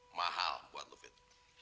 mahal buat lo fit